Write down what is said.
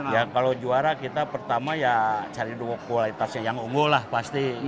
ya kalau juara kita pertama ya cari dua kualitas yang unggul lah pasti